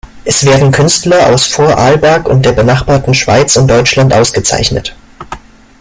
Es werden Künstler aus Vorarlberg und der benachbarten Schweiz und Deutschland ausgezeichnet.